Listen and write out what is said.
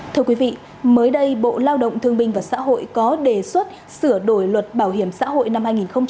thưa quý vị mới đây bộ lao động thương bình và xã hội có đề xuất sửa đổi luật bảo hiểm xã hội năm hai nghìn một mươi bốn